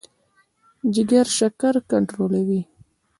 جګر شکر کنټرولوي.